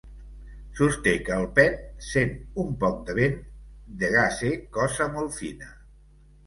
Sosté que el pet, sent un poc de vent, dega ser cosa molt fina.